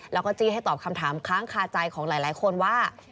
แล้วก็จี้ให้ตอบคำถามค้างคาใจของหลายคนว่า